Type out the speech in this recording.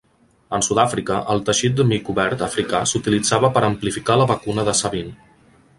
En Sud-àfrica, el teixit de mico verd africà s'utilitzava per amplificar la vacuna de Sabin.